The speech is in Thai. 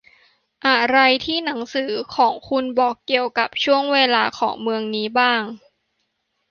อะไรที่หนังสือของคุณบอกเกี่ยวกับช่วงเวลาของเมืองนี้บ้าง